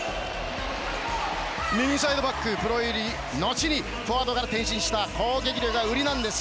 右サイドバック、プロ入り後にフォワードから転身した攻撃力が売りなんです